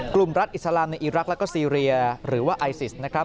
กลุ่มรัฐอิสลามในอีรักษ์แล้วก็ซีเรียหรือว่าไอซิสนะครับ